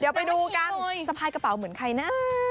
เดี๋ยวไปดูกันสะพายกระเป๋าเหมือนใครนะ